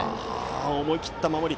思い切った守り。